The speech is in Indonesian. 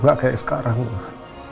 gak kayak sekarang mak